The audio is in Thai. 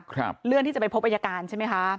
ครับเหลื่อนที่จะไปพบไอศการใช่ไหมค่ะ